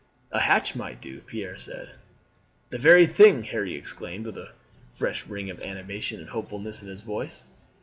"A hatch might do," Pierre said. "The very thing!" Harry exclaimed with a fresh ring of animation and hopefulness in his voice.